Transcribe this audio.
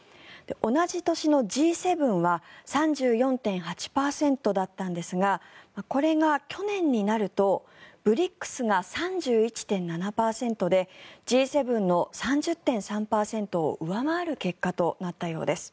同じ年のＧ７は３４．８％だったんですがこれが去年になるとＢＲＩＣＳが３１．７％でＧ７の３０．３％を上回る結果となったようです。